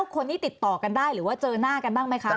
คนนี้ติดต่อกันได้หรือว่าเจอหน้ากันบ้างไหมคะ